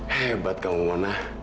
hebat kamu mona